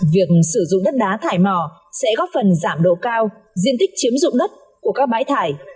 việc sử dụng đất đá thải mỏ sẽ góp phần giảm độ cao diện tích chiếm dụng đất của các bãi thải